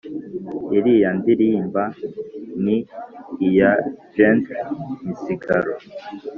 iriya ndirimba ni iya gentil misigaro